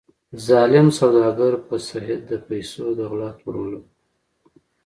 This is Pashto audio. ظالم سوداګر په سید د پیسو د غلا تور ولګاوه.